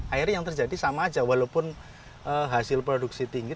akhirnya yang terjadi sama aja walaupun hasil produksi tinggi